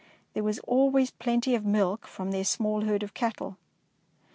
There was always plenty of milk from their small herd of cattle.